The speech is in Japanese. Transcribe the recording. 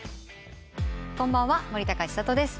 こんばんは森高千里です。